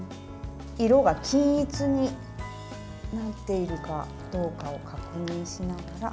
色が均一になっているかどうかを確認しながら。